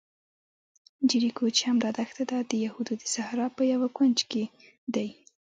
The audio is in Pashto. جیریکو چې همدا دښته ده، د یهودو د صحرا په یوه کونج کې دی.